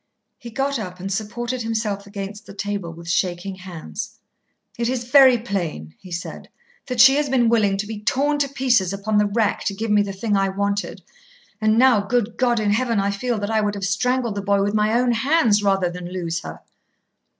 He got up and supported himself against the table with the shaking hands. "It is very plain," he said, "that she has been willing to be torn to pieces upon the rack to give me the thing I wanted. And now, good God in heaven, I feel that I would have strangled the boy with my own hands rather than lose her."